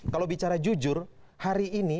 kalau bicara jujur hari ini